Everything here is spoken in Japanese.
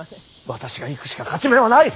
私が行くしか勝ち目はない。